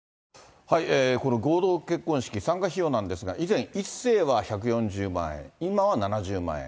この合同結婚式、参加費用なんですが、以前１世は１４０万円、今は７０万円。